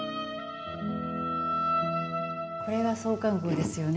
これが創刊号ですよね。